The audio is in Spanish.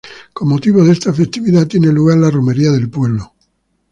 Con motivo de esta festividad tiene lugar la romería del pueblo.